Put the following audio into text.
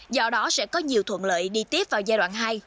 do đó sẽ có nhiều thuận lợi đi tiếp vào giai đoạn hai